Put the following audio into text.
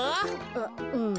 あっうん。